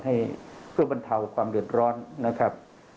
ให้เพื่อบรรเทาความเดือดร้อนนะครับ